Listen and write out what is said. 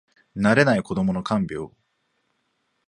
慣れない子どもの看病